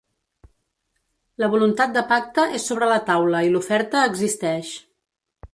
La voluntat de pacte és sobre la taula i l’oferta existeix.